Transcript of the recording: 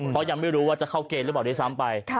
เพราะยังไม่รู้ว่าจะเข้าเกณฑ์หรือเปล่าด้วยซ้ำไป